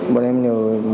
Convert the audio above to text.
bọn em tìm bọn em tìm